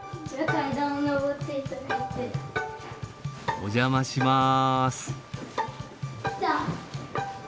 お邪魔します。